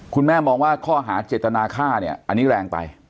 คุณแม่มองว่าข้อหาเจตนาฆ่าเนี่ยอันนี้แรงไป